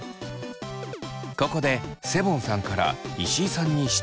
ここでセボンさんから石井さんに質問が。